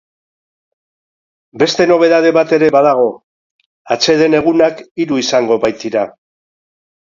Beste nobedade bat ere badago, atseden egunak hiru izango baitira.